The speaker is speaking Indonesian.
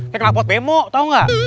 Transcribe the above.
kayak lapot bemo tau gak